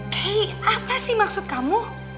hei apa sih maksud kamu